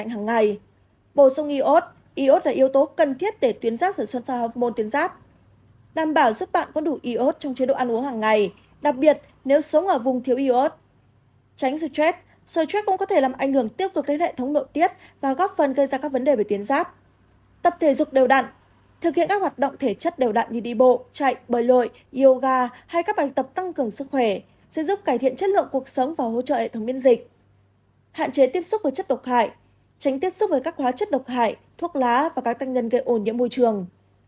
hạn chế tiếp xúc với chất độc hại tránh tiếp xúc với các hóa chất độc hại thuốc lá và các tên nhân gây ổn nhiễm môi trường